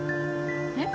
えっ？